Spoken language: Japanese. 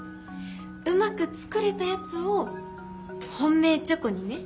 うまく作れたやつを本命チョコにね。